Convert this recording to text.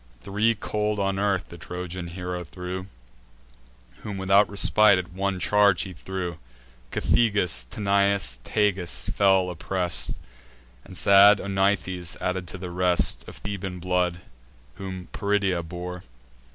Three cold on earth the Trojan hero threw, Whom without respite at one charge he slew: Cethegus, Tanais, Tagus, fell oppress'd, And sad Onythes, added to the rest, Of Theban blood, whom Peridia bore.